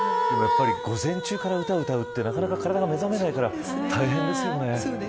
午前中から歌を歌うって体が目覚めないから大変ですよね。